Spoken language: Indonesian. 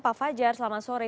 pak fajar selamat sore